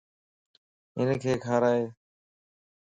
ھنک کارائي